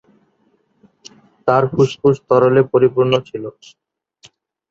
তার ফুসফুস তরলে পরিপূর্ণ ছিল।